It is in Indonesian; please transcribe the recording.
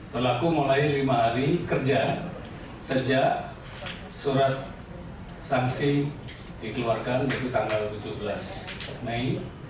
berlaku mulai lima hari kerja sejak surat sanksi dikeluarkan dari tanggal tujuh belas mei